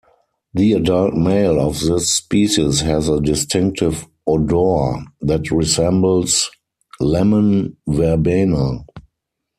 The adult male of this species has a distinctive odour that resembles lemon verbena.